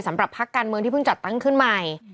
พักการเมืองที่เพิ่งจัดตั้งขึ้นใหม่